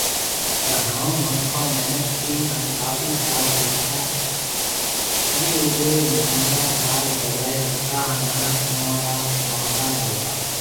پر ۿيڻون منکون محنت ڪي هان ڪافي ساز ۿيکيا، اگي رُگو منڱڻهار ساز بجائي ۿگتا هان منک اوئون را محتاج هوتا